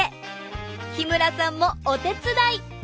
日村さんもお手伝い！